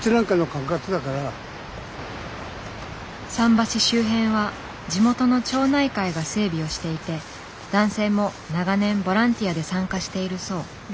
桟橋周辺は地元の町内会が整備をしていて男性も長年ボランティアで参加しているそう。